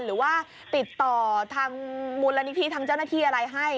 หรือว่าติดต่อทางมูลนิธิทางเจ้าหน้าที่อะไรให้